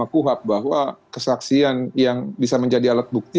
satu ratus delapan puluh lima kuhap bahwa kesaksian yang bisa menjadi alat bukti